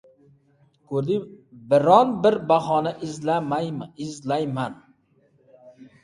Biron-bir bahona izlayman.